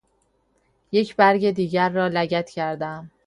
یک برگ دیگر را لگد کردم.